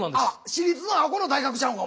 私立のあこの大学ちゃうんか？